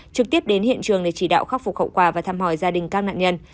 trực tiếp đến hiện trường để chỉ đạo khắc phục hậu quả và thăm hỏi gia đình các nạn nhân